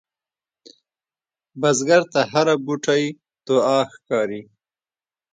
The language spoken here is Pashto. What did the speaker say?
بزګر ته هره بوټۍ دعا ښکاري